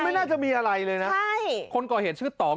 ไม่น่าจะมีอะไรเลยนะใช่คนก่อเหตุชื่อต่อม